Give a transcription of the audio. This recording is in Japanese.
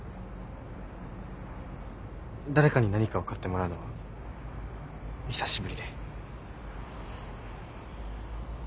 誰かに何かを買ってもらうのは久しぶりで。